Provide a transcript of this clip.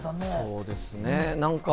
そうですね。